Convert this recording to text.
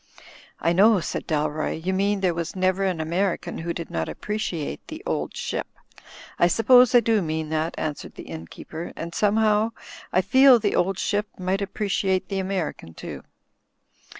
"I know,*' said Dalroy, "you mean there was never an American who did not appreciate 'The Old Ship.* " "I suppose I do mean that," answered the inn keeper, "and somehow, I feel *The Old Ship' might appreciate the American too."